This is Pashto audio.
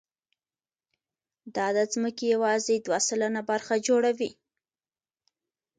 دا د ځمکې یواځې دوه سلنه برخه جوړوي.